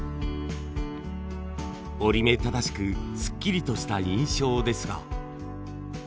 折り目正しくすっきりとした印象ですが。